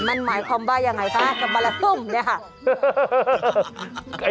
มันหมายคำว่าอย่างไรคะสบลฮึมเนี่ยค่ะ